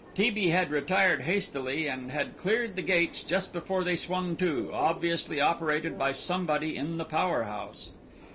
T. B. had retired hastily and had cleared the gates just before they swung to, obviously operated by somebody in the power house.